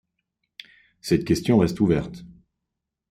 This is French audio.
Cette question reste ouverte.